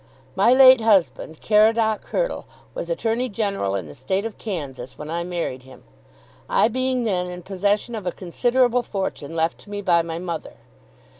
My late husband, Caradoc Hurtle, was Attorney General in the State of Kansas when I married him, I being then in possession of a considerable fortune left to me by my mother.